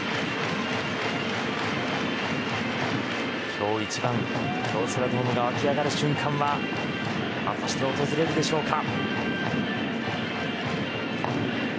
今日１番スタンドが沸き上がる瞬間は果たして訪れるでしょうか。